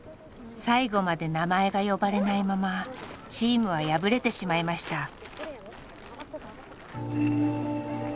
最後まで名前が呼ばれないままチームは敗れてしまいました。